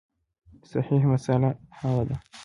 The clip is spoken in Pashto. صحیح مسأله هغه ده